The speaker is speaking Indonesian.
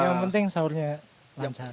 yang penting sahurnya lancar